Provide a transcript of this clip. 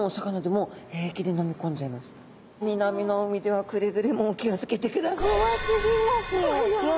南の海ではくれぐれもお気を付けてください。